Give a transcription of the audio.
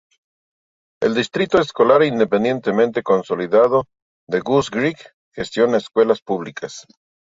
El Distrito Escolar Independiente Consolidado de Goose Creek gestiona escuelas públicas.